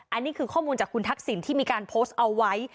อันนี้คือข้อมูลจากคุณทักษิณที่มีการโพสต์เอาไว้